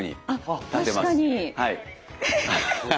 確かに。